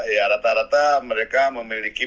ya rata rata mereka memiliki